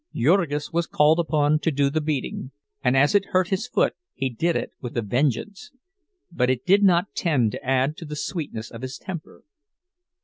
Jurgis was called upon to do the beating, and as it hurt his foot he did it with a vengeance; but it did not tend to add to the sweetness of his temper.